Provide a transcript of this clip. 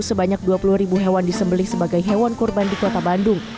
sebanyak dua puluh ribu hewan disembeli sebagai hewan kurban di kota bandung